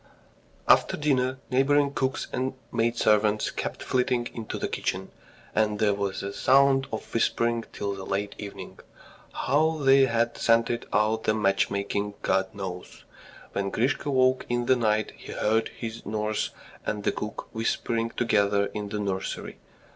After dinner, neighbouring cooks and maidservants kept flitting into the kitchen, and there was the sound of whispering till late evening. How they had scented out the matchmaking, God knows. When Grisha woke in the night he heard his nurse and the cook whispering together in the nursery.